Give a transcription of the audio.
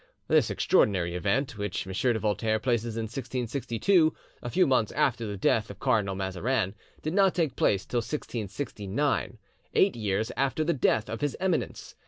This extraordinary event, which M. de Voltaire places in 1662, a few months after the death of Cardinal Mazarin, did not take place till 1669, eight years after the death of His Eminence.